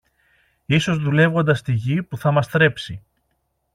Ίσως δουλεύοντας τη γη που θα μας θρέψει.